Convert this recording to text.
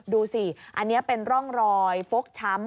ดูสิอันนี้เป็นร่องรอยฟกช้ำ